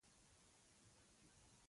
خاورې، دوړې او میکروبونه چاڼېږي.